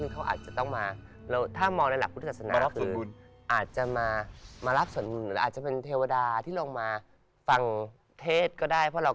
น้องก็ตื่นมาสว่างแล้ว